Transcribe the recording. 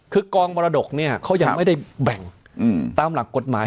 คือกองมรดกเนี่ยเขายังไม่ได้แบ่งตามหลักกฎหมาย